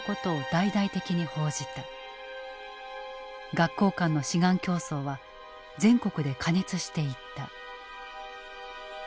学校間の志願競争は全国で加熱していった。